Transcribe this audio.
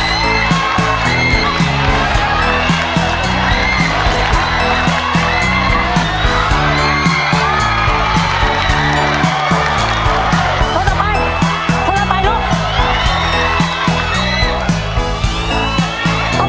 เวลาเป็นเงินมีทรองนะลูก